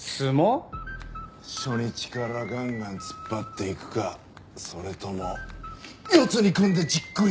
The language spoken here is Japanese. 初日からガンガン突っ張っていくかそれとも四つに組んでじっくり攻めていくか。